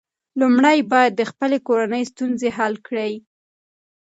لومړی باید د خپلې کورنۍ ستونزې حل کړې.